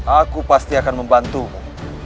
aku pasti akan membantumu